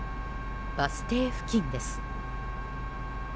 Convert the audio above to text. バス停付近です。